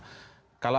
kalau anda tahu